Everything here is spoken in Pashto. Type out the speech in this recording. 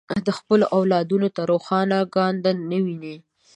د خپلو اولادونو ته روښانه ګانده نه ویني.